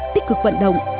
tích cực vận động